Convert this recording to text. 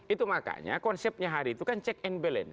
itu makanya konsepnya hari itu kan check and balance